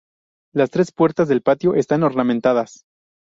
Las tres puertas del patio están ornamentadas.